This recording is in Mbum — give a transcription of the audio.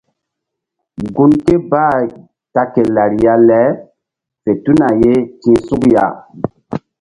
Gun ké bah ta ke lariya le fe tuna ye ti̧h suk ya.